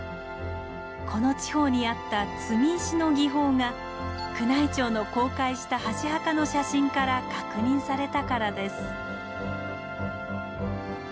この地方にあった積み石の技法が宮内庁の公開した箸墓の写真から確認されたからです。